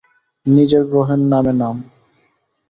নিজের গ্রহের নামে নাম।